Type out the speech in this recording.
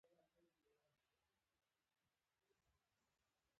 مجاهد د صبر لوړ مقام ته رسېږي.